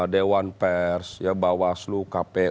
dewan pers ya bawaslu kapolri